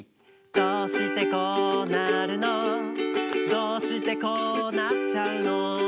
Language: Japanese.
どうしてこうなるのどうしてこうなっちゃうの！？